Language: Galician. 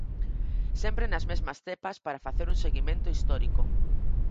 Sempre nas mesmas cepas para facer un seguimento histórico.